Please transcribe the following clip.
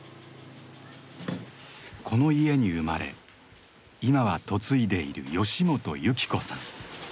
この家に生まれ今は嫁いでいる吉本幸子さん。